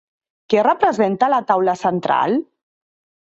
Què representa la taula central?